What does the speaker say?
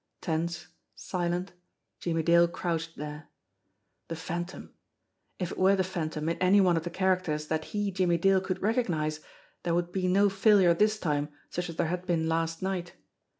Tense, silent, Jimmie Dale crouched there. The Phan tom! If it were the Phantom in any one of the characters that he, Jimmie Dale, could recognise, there would be no failure this time such as there had been last night!